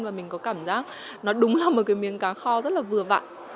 và mình có cảm giác nó đúng là một cái miếng cá kho rất là vừa vặn